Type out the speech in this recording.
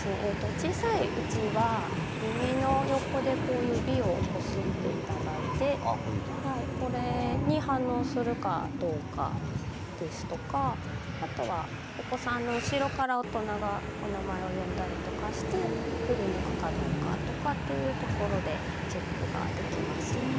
小さいうちは耳の横でこう指をこすって頂いてこれに反応するかどうかですとかあとはお子さんの後ろから大人がお名前を呼んだりとかして振り向くかどうかとかっていうところでチェックができます。